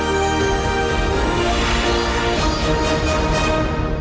โปรดติดตามตอนต่อไป